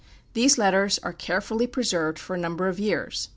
These letters are carefully preserved for a number of years.